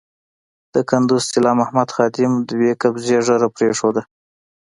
د کندز طلا محمد خادم دوه قبضې ږیره پرېښوده.